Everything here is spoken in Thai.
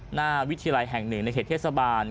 หน้าวิทยาลัยแห่งหนึ่งในเขตเทศบาล